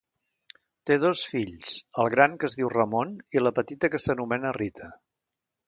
Té dos fills el gran que es diu Ramon i la petita que s'anomena Rita.